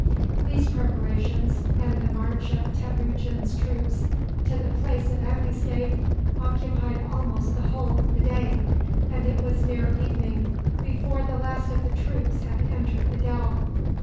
These preparations, and the march of Temujin's troops to the place of ambuscade, occupied almost the whole of the day, and it was near evening before the last of the troops had entered the dell.